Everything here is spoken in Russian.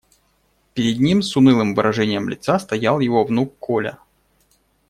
Перед ним с унылым выражением лица стоял его внук Коля.